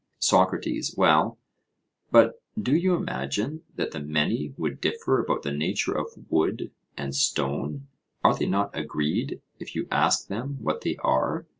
SOCRATES: Well, but do you imagine that the many would differ about the nature of wood and stone? are they not agreed if you ask them what they are?